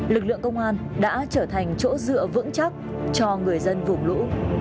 lực lượng công an đã trở thành chỗ dựa vững chắc cho người dân vùng lũ